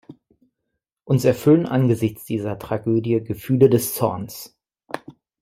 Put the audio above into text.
Uns erfüllen angesichts dieser Tragödie Gefühle des Zorns.